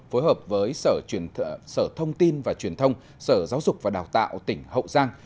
phối hợp với sở thông tin và truyền thông sở giáo dục và đào tạo tỉnh hậu giang